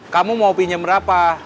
kamu mau pinjem berapa